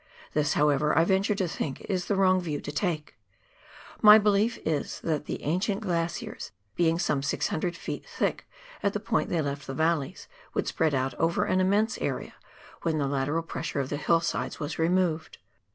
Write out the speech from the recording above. This, however, I venture to think, is the wrong view to take. My belief is, that the ancient glaciers being some 600 ft. thick at the point they left the valleys, would spread out over an immense area, when the lateral pressure of the hillsides was removed.